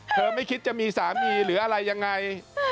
ไม่คิดจะมีสามีหรืออะไรยังไง